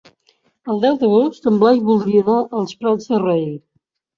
El deu d'agost en Blai voldria anar als Prats de Rei.